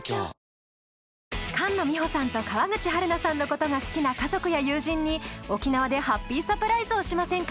菅野美穂さんと川口春奈さんのことが好きな家族や友人に沖縄でハッピーサプライズをしませんか？